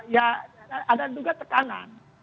ya ada juga tekanan